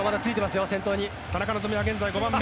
田中希実は現在５番目。